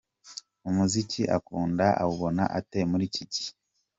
Umuziki akunda awubona ate muri iki gihe?.